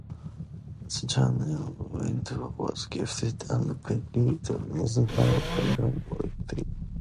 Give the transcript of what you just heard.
The chancel window was gifted and painted by Mrs Miles of Bingham Rectory.